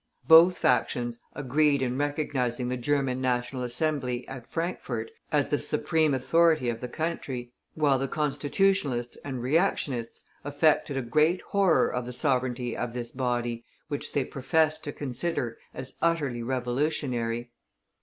Both factions agreed in recognizing the German National Assembly at Frankfort as the supreme authority of the country, while the Constitutionalists and Reactionists affected a great horror of the sovereignty of this body, which they professed to consider as utterly revolutionary.